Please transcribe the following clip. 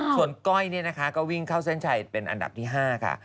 ส่วนก้อยเนี่ยนะคะก็วิ่งเข้าเส้นชัยเป็นอันดับที่๕ค่ะ